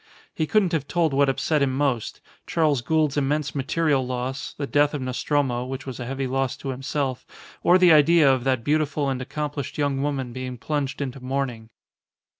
He couldn't have told what upset him most Charles Gould's immense material loss, the death of Nostromo, which was a heavy loss to himself, or the idea of that beautiful and accomplished young woman being plunged into mourning.